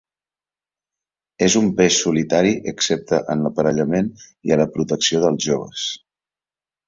És un peix solitari excepte en l’aparellament i la protecció dels joves.